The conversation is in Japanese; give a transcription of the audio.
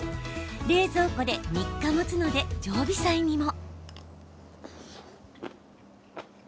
冷蔵庫で３日もつので常備菜にも。